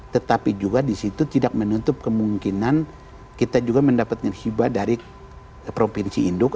tetapi juga di situ tidak menutup kemungkinan kita juga mendapatkan hibah dari provinsi induk